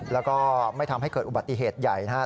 แล้วก็ไม่ทำให้เกิดอุบัติเหตุใหญ่นะครับ